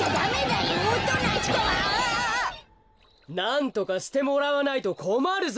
なんとかしてもらわないとこまるぞ！